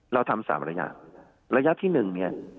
เราทำ๓ระยะระยะที่หนึ่งเนี่ย